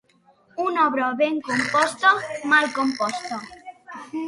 Una obra ben composta, mal composta.